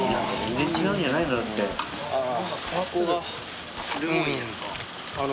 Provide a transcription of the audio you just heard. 全然違うんじゃないの？